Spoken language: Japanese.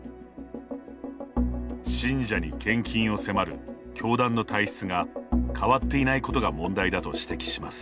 信者に献金を迫る教団の体質が変わっていないことが問題だと指摘します。